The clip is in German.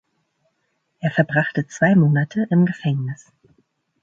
Er verbrachte zwei Monate im Gefängnis.